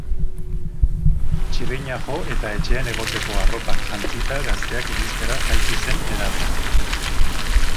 Txirrina jo eta etxean egoteko arropak jantzita gazteak ikustera jaitsi zen nerabea.